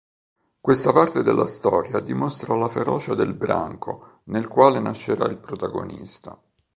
Questa parte della storia dimostra la ferocia del branco, nel quale nascerà il protagonista.